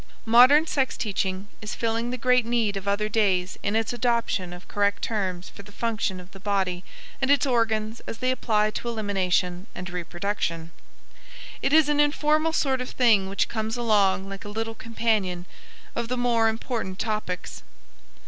Modern sex teaching is filling the great need of other days in its adoption of correct terms for the functions of the body and its organs as they apply to elimination and reproduction. It is an informal sort of thing which comes along like a little companion of the more important topics.